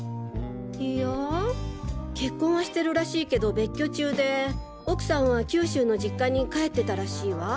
いや結婚はしてるらしいけど別居中で奥さんは九州の実家に帰ってたらしいわ。